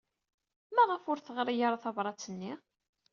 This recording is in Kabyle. Maɣef ur teɣri ara tabṛat-nni?